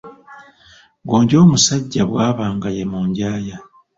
Ggonja omusajja bw'aba nga ye munjaaya.